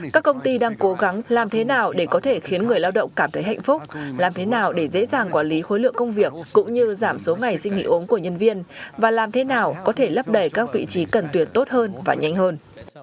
các công ty đang cố gắng làm thế nào để có thể khiến người lao động cảm thấy hạnh phúc làm thế nào để dễ dàng quản lý khối lượng công việc cũng như giảm số ngày sinh nghỉ uống của nhân viên và làm thế nào có thể lấp đẩy các vị trí cần tuyển tốt hơn và nhanh hơn